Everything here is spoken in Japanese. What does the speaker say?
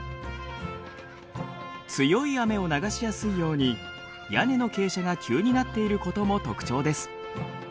強い雨を流しやすいように屋根の傾斜が急になっていることも特徴です。